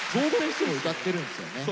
Ｇｏ歌ってるんですよね。